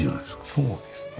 そうですね。